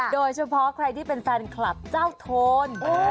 โดยเฉพาะใครที่เป็นแฟนคลับเจ้าโทน